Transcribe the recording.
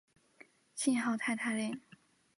信号肽肽链。